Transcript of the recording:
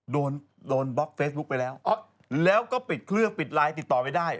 โดนโดนบล็อกเฟซบุ๊กไปแล้วแล้วก็ปิดเครื่องปิดไลน์ติดต่อไม่ได้